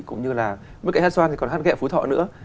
cũng như là bên cạnh hát xoan còn hát ghẹ phú thọ nữa